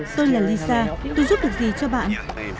tôi là lisa tôi giúp được gì cho bạn